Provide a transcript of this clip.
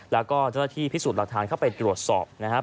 แล้วก็จะได้พิสูจน์รับทานเข้าไปตรวจสอบนะครับ